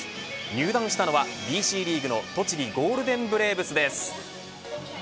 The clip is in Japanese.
入団したのはＢＣリーグの栃木ゴールデンブレーブスです。